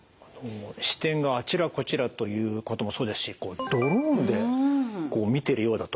視点があちらこちらということもそうですしドローンで見てるようだと。